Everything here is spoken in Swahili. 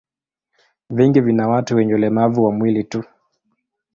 Vingi vina watu wenye ulemavu wa mwili tu.